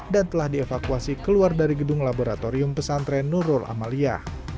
dan telah dievakuasi keluar dari gedung laboratorium pesantren nurul amalia